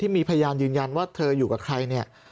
มีพยานยืนยันว่าเธออยู่กับใครเนี่ย